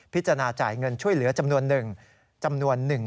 พิจารณาจ่ายเงินช่วยเหลือจำนวนหนึ่ง